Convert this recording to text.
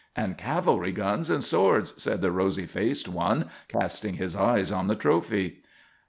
"And cavalry guns and swords," said the rosy faced one, casting his eyes on the trophy.